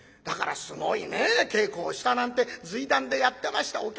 だからすごいね稽古をしたなんて随談でやってました。